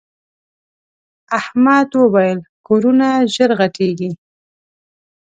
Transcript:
احمد وويل: کورونه ژر غټېږي.